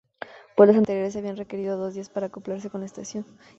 Vuelos anteriores habían requerido dos días para acoplarse con la estación.